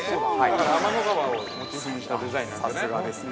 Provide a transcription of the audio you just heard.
◆だから、天の川をモチーフにしたデザインなんですね。